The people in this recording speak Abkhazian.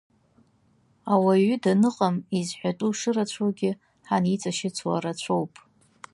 Ауаҩы даныҟам изҳәатәу шырацәоугьы ҳаниҵашьыцуа рацәоуп.